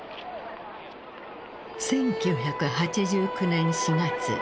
１９８９年４月。